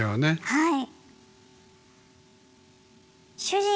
はい。